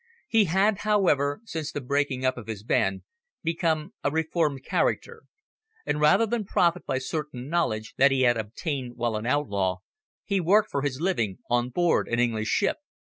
He had, however, since the breaking up of his band, become a reformed character, and rather than profit by certain knowledge that he had obtained while an outlaw, he worked for his living on board an English ship.